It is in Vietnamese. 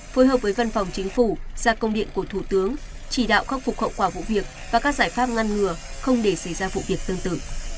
phối hợp với văn phòng chính phủ ra công điện của thủ tướng chỉ đạo khắc phục hậu quả vụ việc và các giải pháp ngăn ngừa không để xảy ra vụ việc tương tự